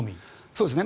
そうですね。